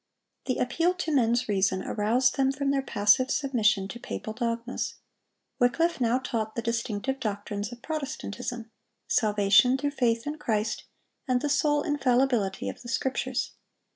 The appeal to men's reason aroused them from their passive submission to papal dogmas. Wycliffe now taught the distinctive doctrines of Protestantism,—salvation through faith in Christ, and the sole infallibility of the Scriptures.